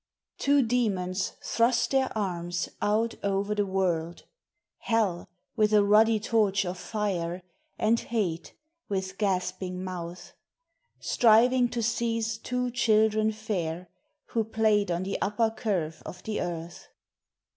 Two demons thrust their arms out over the world, Hell with a ruddy torch of fire, And Hate with gasping mouth, Striving to seize two children fair Who play'd on the upper curve of the Earth.